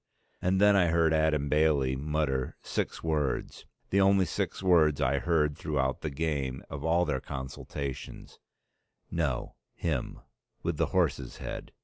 And then I heard Adam Bailey mutter six words, the only words I heard throughout the game, of all their consultations, "No, him with the horse's head."